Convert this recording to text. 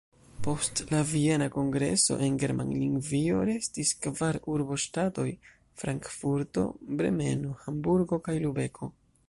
Post la Viena Kongreso en Germanlingvio restis kvar urboŝtatoj: Frankfurto, Bremeno, Hamburgo kaj Lubeko.